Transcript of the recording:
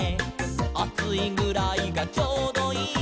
「『あついぐらいがちょうどいい』」